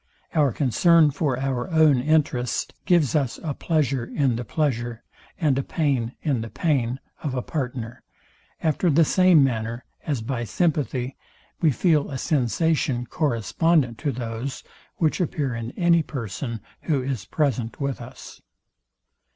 Our concern for our own interest gives us a pleasure in the pleasure, and a pain in the pain of a partner, after the same manner as by sympathy we feel a sensation correspondent to those, which appear in any person, who is present with us.